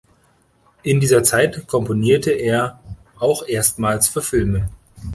In dieser Zeit komponierte er auch erstmals für Filme.